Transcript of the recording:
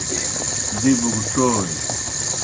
دِبوْ گہ ڇوئے۔